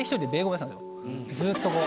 ずっとこう。